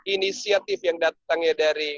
inisiatif yang datangnya dari